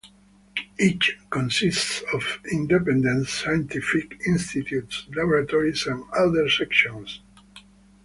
Each consists of independent scientific institutes, laboratories and other sections.